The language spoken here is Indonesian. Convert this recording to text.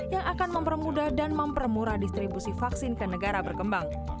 yang akan mempermudah dan mempermurah distribusi vaksin ke negara berkembang